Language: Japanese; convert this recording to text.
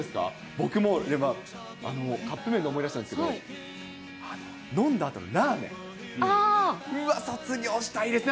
僕も、カップ麺で思い出したんですけど、飲んだあとのラーメン。は、卒業したいですね。